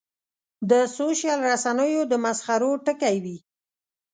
د سوشل رسنیو د مسخرو ټکی وي.